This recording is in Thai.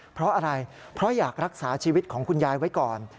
เพราะอะไรเพราะอยากรักษาชีวิตของคุณยายไว้ก่อน